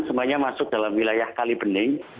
semuanya masuk dalam wilayah kalibening